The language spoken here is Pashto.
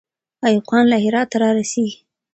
ایوب خان له هراته را رسېږي.